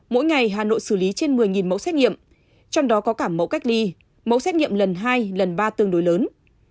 mỗi ngày hà nội xử lý trên một mươi mẫu xét nghiệm trong đó có cả mẫu cách ly mẫu xét nghiệm lần hai lần ba tương đối lớn